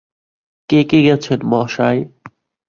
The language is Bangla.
কে কে গেছেন মশায়?